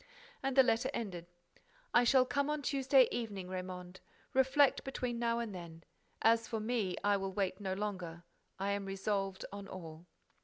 And the letter ended: I shall come on Tuesday evening, Raymonde. Reflect between now and then. As for me, I will wait no longer. I am resolved on all.